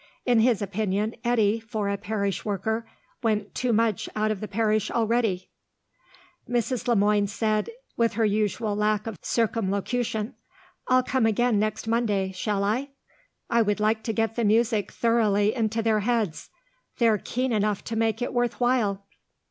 In his opinion, Eddy, for a parish worker, went too much out of the parish already. Mrs. Le Moine said, with her usual lack of circumlocution, "I'll come again next Monday. Shall I? I would like to get the music thoroughly into their heads; they're keen enough to make it worth while."